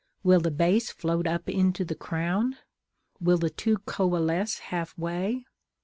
Will the base float up into the crown? Will the two coalesce half way?